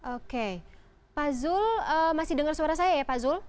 oke pak zul masih dengar suara saya ya pak zul